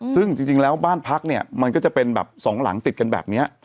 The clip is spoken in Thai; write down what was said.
ซึ่งจริงแล้วบ้านพักเนี่ยมันก็จะเป็นแบบสองหลังติดกันแบบนี้